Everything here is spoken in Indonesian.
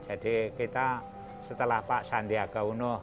jadi kita setelah pak sandiaga unuh